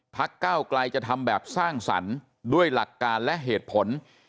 ก้าวไกลจะทำแบบสร้างสรรค์ด้วยหลักการและเหตุผล